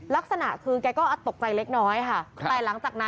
มีเสียงดังโม้งแมงโม้งแมง